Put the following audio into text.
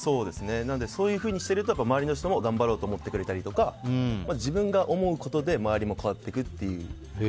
なのでそういうふうにしていると周りの人も頑張ろうと思ってくれたりとか自分が思うことで周りも変わっていくっていう。